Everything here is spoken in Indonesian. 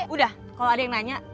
udah kalau ada yang nanya